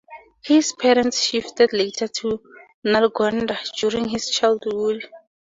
His parents shifted later to Nalgonda during his childhood.